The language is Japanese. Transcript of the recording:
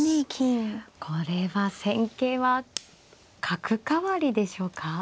これは戦型は角換わりでしょうか。